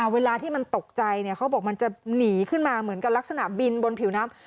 เวลาที่มันตกใจเขาบอกมันจะหนีขึ้นมาเหมือนกับลักษณะบินบนผิวน้ำ